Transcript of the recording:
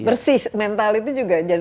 bersih mental itu juga